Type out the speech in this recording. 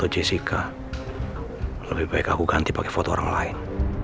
jessica lebih baik aku ganti pakai foto orang lain